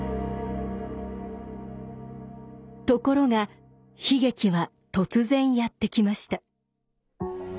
ところが悲劇は突然やって来ました。